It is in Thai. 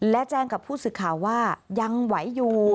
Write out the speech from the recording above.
และแจ้งกับผู้สื่อข่าวว่ายังไหวอยู่